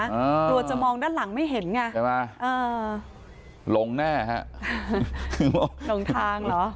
ตรวจจะมองด้านหลังไม่เห็นไงเห็นไหมเอ่อหลงแน่ฮะหลงทางเหรอ